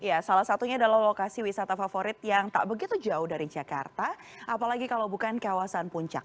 ya salah satunya adalah lokasi wisata favorit yang tak begitu jauh dari jakarta apalagi kalau bukan kawasan puncak